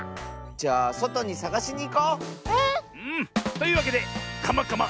じゃあそとにさがしにいこう！ね！というわけで「カマカマ！